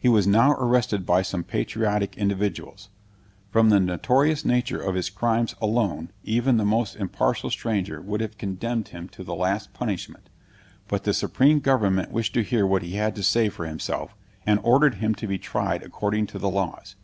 He was now arrested by some patriotic individuals. From the notorious nature of his crimes, alone, even the most impartial stranger would have condemned him to the last punishment; but the supreme government wished to hear what he had to say for himself, and ordered him to be tried according to the laws.